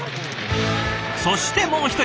そしてもう１人。